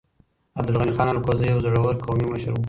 عبدالغني خان الکوزی يو زړور قومي مشر و.